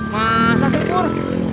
masa sih pur